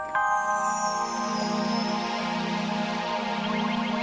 jangan lupa like subscribe share dan subscribe ya